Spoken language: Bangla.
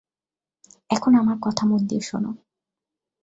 এখন আমার কথা মন দিয়ে শোন।